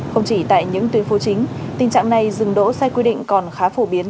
không chỉ tại những tuyến phố chính tình trạng này dừng đỗ sai quy định còn khá phổ biến